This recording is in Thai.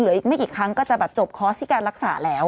อีกไม่กี่ครั้งก็จะแบบจบคอร์สที่การรักษาแล้ว